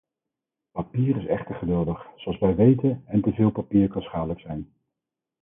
Papier is echter geduldig, zoals wij weten, en te veel papier kan schadelijk zijn.